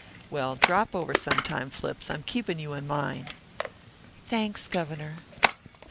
"Well, drop over sometime, Flips, I'm keeping you in mind." "Thanks, Governor.